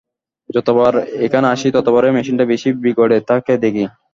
যতবার এখানে আসি, ততবারই মেশিনটা বেশিই বিগড়ে থাকে দেখি।